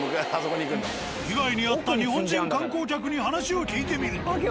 被害に遭った日本人観光客に話を聞いてみると。